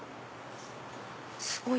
すごい！